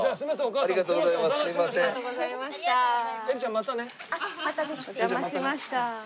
お邪魔しました。